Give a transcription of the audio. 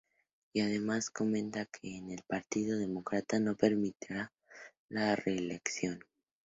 Y además comenta que el Partido Demócrata no permitirá la reelección.